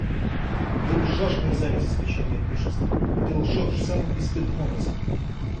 – Ты лжешь, мерзавец! – вскричал я в бешенстве, – ты лжешь самым бесстыдным образом.